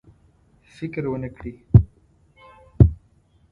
فکر ونه کړي.